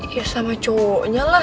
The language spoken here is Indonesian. iya sama cowoknya lah